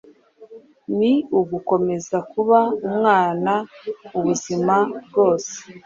ni ugukomeza kuba umwana ubuzima bwose!